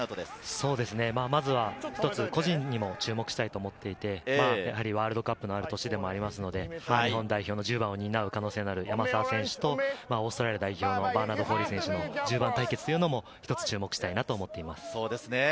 まずは一つ、個人にも注目したいと思っていて、ワールドカップのある年でもありますので、日本代表の１０番を担う可能性のある山沢選手、オーストラリア代表のバーナード・フォーリー選手、１０番対決に注目したいと思います。